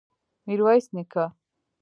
ميرويس نيکه!